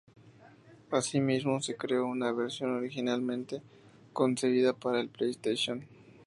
Asimismo, se creó una versión originalmente concebida para el PlayStation.